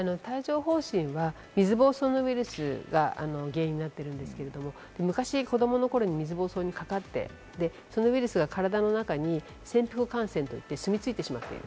帯状疱疹は水ぼうそうのウイルスが原因になっているんですけれども、昔、子どもの頃に水ぼうそうにかかって、そのウイルスが体の中に潜伏感染といって、住み着いてしまっている。